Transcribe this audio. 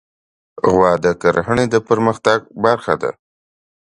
غوا د کرهڼې د پرمختګ برخه ده.